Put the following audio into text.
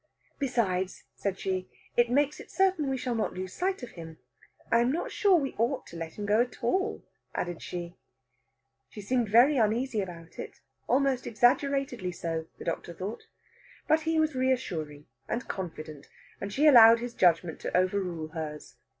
"Besides," said she, "it makes it certain we shall not lose sight of him. I'm not sure we ought to let him go at all," added she. She seemed very uneasy about it almost exaggeratedly so, the doctor thought. But he was reassuring and confident, and she allowed his judgment to overrule hers.